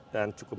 dan cukup berhasil